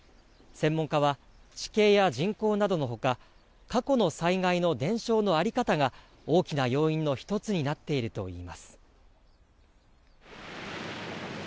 専門家は、地形や人口などのほか、過去の災害の伝承の在り方が大きな要因の一つになっているといいます。